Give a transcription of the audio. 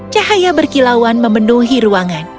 cahaya berkilauan memenuhi ruangan